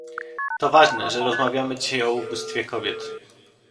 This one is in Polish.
To ważne, że rozmawiamy dzisiaj o ubóstwie kobiet